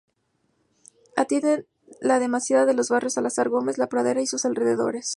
Atiende la demanda de los barrios Salazar Gómez, La Pradera y sus alrededores.